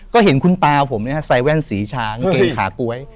ก็เห็นคุณตาผมเนี่ยใส่แว่นสีช้างเกลียดขาก๊วย